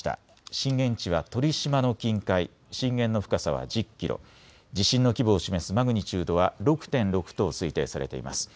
震源地は鳥島の近海、震源の深さは１０キロ、地震の規模を示すマグニチュードは６．６と推定されています。